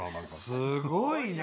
すごいね。